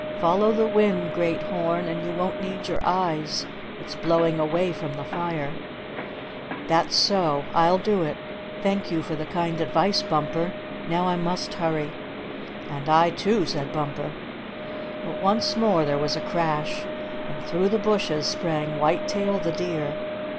"Follow the wind, Great Horn, and you won't need your eyes. It's blowing away from the fire." "That's so. I'll do it. Thank you for the kind advice, Bumper. Now I must hurry." "And I, too," said Bumper. But once more there was a crash, and through the bushes sprang White Tail the Deer.